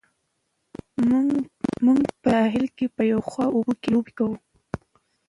موږ په ساحل کې په یخو اوبو کې لامبو کوو.